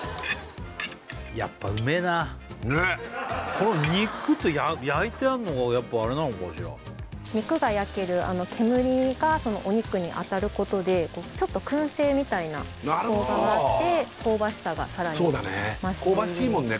っこの肉と焼いてあるのがやっぱあれなのかしら肉が焼ける煙がお肉に当たることでちょっとくん製みたいな効果があって香ばしさがさらに増している香ばしいもんね